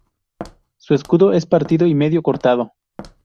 Su escudo es partido y medio cortado.